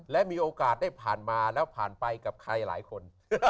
และมีโอกาสได้ผ่านมาแล้วผ่านไปกับใครหลายคน